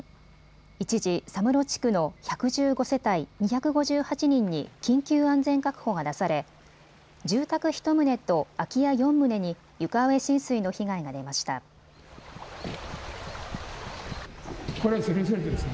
一時、佐室地区の１１５世帯２５８人に緊急安全確保が出され住宅１棟と空き家４棟に床上浸水の被害が出ました。